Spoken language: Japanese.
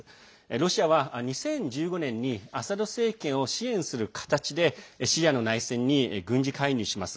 ロシアは２０１５年にアサド政権を支援する形でシリアの内戦に軍事介入します。